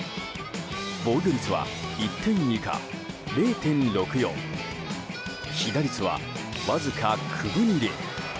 防御率は、１点以下０．６４被打率は、わずか９分２厘。